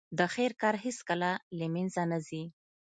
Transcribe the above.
د خیر کار هیڅکله له منځه نه ځي.